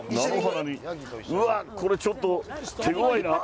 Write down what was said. うわっ、これちょっと手ごわいな。